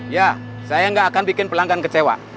ya saya nggak akan bikin pelanggan kecewa